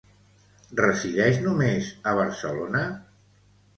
Resideix només a Barcelona?